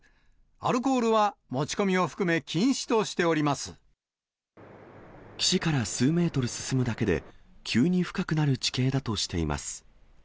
アルコールは持ち込みを含め、岸から数メートル進むだけで、急に深くなる地形だとしています。